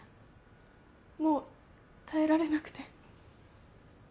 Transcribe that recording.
もう耐えられなくて。